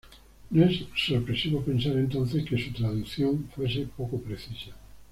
No es sorpresivo pensar entonces, que su traducción fuese poco precisa.